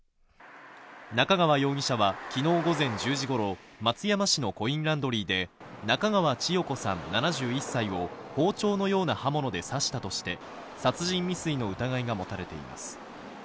中川容疑者は昨日午前１０時ごろ、松山市のコインランドリーで中川千代子さん７１歳を包丁のような刃物で刺したとして殺人未遂の疑いが持たれています。